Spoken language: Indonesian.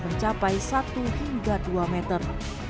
mencapai satu hingga dua meter